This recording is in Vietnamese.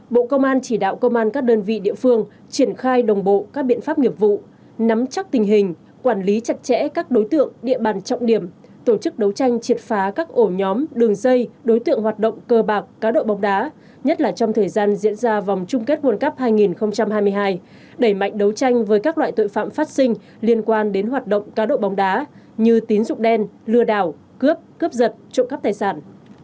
một bộ công an chỉ đạo công an các đơn vị địa phương triển khai đồng bộ các biện pháp nghiệp vụ nắm chắc tình hình quản lý chặt chẽ các đối tượng địa bàn trọng điểm tổ chức đấu tranh triệt phá các ổ nhóm đường dây đối tượng hoạt động cờ bạc cá độ bóng đá nhất là trong thời gian diễn ra vòng chung kết world cup hai nghìn hai mươi hai đẩy mạnh đấu tranh với các loại tội phạm phát sinh liên quan đến hoạt động cá độ bóng đá như tín dụng đen lừa đảo cướp cướp giật trộm cắp tài sản